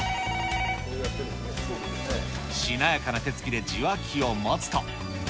しなやかな手つきで受話器を持つと。